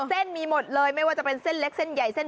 เส้นมีหมดเลยไม่ว่าจะเป็นเส้นเล็กเส้นใหญ่เส้น